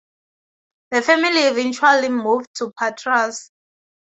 The family eventually moved to Patras.